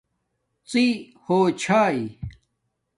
ڎی ہوچھائئ